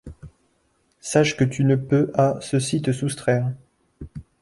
. Sache que tu ne peux à, ceci te soustraire